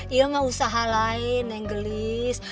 iya mau usaha lain nenggelis